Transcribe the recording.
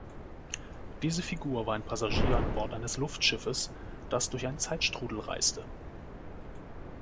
Diese Figur war ein Passagier an Bord eines Luftschiffes, das durch einen Zeitstrudel reiste.